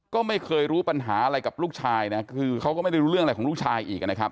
ก็ไม่เคยรู้ปัญหาอะไรกับลูกชายนะคือเขาก็ไม่ได้รู้เรื่องอะไรของลูกชายอีกนะครับ